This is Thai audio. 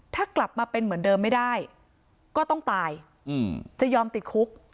ถ้ากลับมาเป็นเหมือนเดิมไม่ได้ก็ต้องตายจะยอมติดคุก